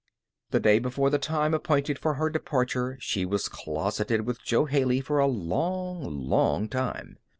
The day before the time appointed for her departure she was closeted with Jo Haley for a long, long time.